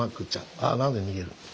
あ何で逃げるの。